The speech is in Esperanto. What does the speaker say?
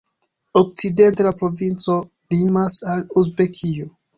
Okcidente la provinco limas al Uzbekio.